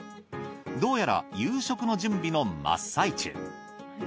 どうやら夕食の準備の真っ最中。